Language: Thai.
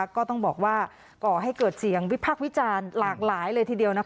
ก็ต้องบอกว่าก่อให้เกิดเสียงวิพากษ์วิจารณ์หลากหลายเลยทีเดียว